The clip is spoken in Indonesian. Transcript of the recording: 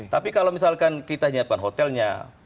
tapi kalau misalkan kita menyiapkan hotelnya